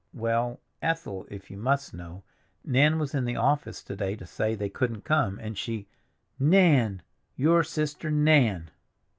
"Well, Ethel, if you must know, Nan was in the office to day to say they couldn't come, and she—" "Nan—your sister Nan!"